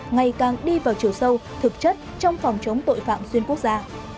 ngày càng đi vào chiều sâu thực chất trong phòng chống tội phạm xuyên quốc gia